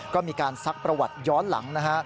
ก็มีการซักประวัติย้อนหลังนะฮะ